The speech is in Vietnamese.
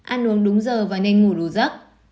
ăn uống đúng giờ và nên ngủ đủ giấc